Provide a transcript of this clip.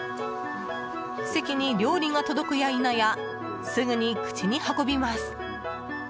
席に料理が届くや否やすぐに口に運びます。